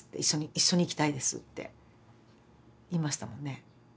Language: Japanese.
一緒に生きたいです」って言いましたもんね。